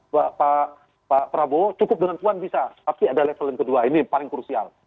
pak prabowo cukup dengan puan bisa tapi ada level yang kedua ini paling krusial